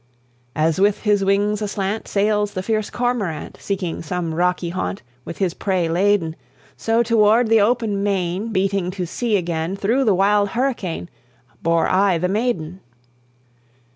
"As with his wings aslant, Sails the fierce cormorant, Seeking some rocky haunt, With his prey laden, So toward the open main, Beating to sea again, Through the wild hurricane, Bore I the maiden.